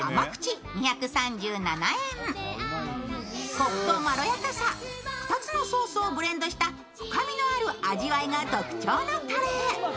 コクとまろやかさ、２つのソースをブレンドした深みのある味わいが特徴のたれ。